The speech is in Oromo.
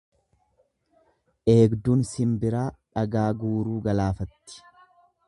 Eegduun sinbiraa dhagaa guuruu galaafatti.